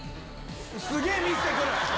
すげえ見せてくる。